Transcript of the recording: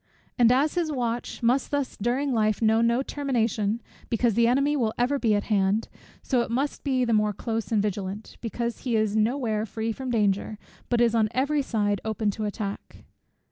And as his watch must thus during life know no termination, because the enemy will ever be at hand; so it must be the more close and vigilant, because he is no where free from danger, but is on every side open to attack.